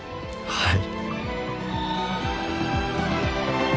はい。